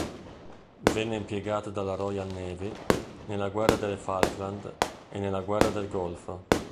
Venne impiegato dalla Royal Navy nella guerra delle Falkland e nella guerra del Golfo.